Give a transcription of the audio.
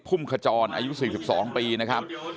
ุ่มขจรอายุ๔๒ปีนะครับ